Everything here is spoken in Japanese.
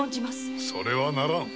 それはならぬ。